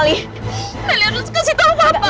meli harus kasih tau papa